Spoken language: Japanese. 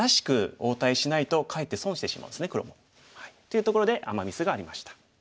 いうところでアマ・ミスがありました。